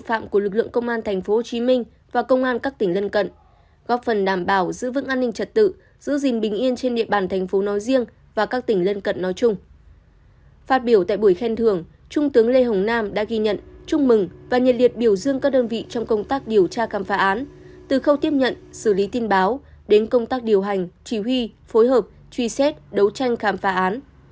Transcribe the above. phát biểu tại buổi khen thường trung tướng lê hồng nam đã ghi nhận chúc mừng và nhận liệt biểu dương các đơn vị trong công tác điều tra khám phá án từ khâu tiếp nhận xử lý tin báo đến công tác điều hành chỉ huy phối hợp truy xét đấu tranh khám phá án